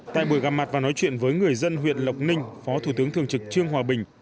tại buổi gặp mặt và nói chuyện với người dân huyện lộc ninh phó thủ tướng thường trực trương hòa bình